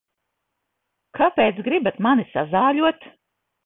Kāpēc gribat mani sazāļot?